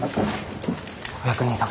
お役人様